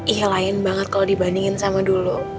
iya lain banget kalau dibandingin sama dulu